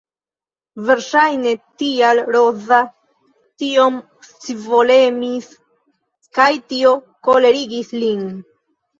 Verŝajne tial Roza tiom scivolemis kaj tio kolerigis lin.